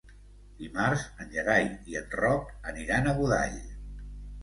Dimarts en Gerai i en Roc aniran a Godall.